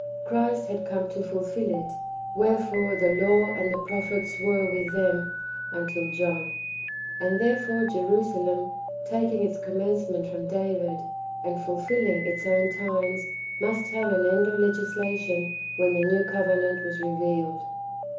Christ had come to fulfil it : wherefore " the law and the prophets were" with them ^' until John."^ And therefore Jerusalem, taking its commencement from David,^ and fulfilling its own times, must have an end of leo islation* when the new covenant was revealed.